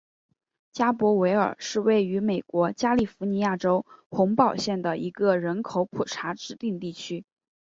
加伯维尔是位于美国加利福尼亚州洪堡县的一个人口普查指定地区。